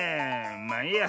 まあいいや。